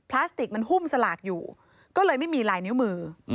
พลาสติกมันหุ้มสลากอยู่ก็เลยไม่มีลายนิ้วมือ